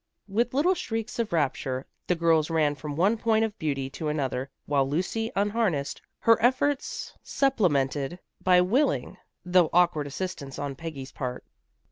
With little shrieks of rapture, the girls ran from one point of beauty to another, while Lucy unharnessed, her efforts supplemented by willing, though awkward assistance on Peggy's part.